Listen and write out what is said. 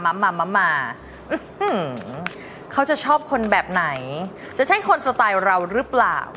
มาเขาจะชอบคนแบบไหนจะใช่คนสไตล์เราหรือเปล่า